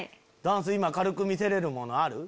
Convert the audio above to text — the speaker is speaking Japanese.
今軽く見せれるものある？